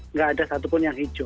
nggak ada satupun yang hijau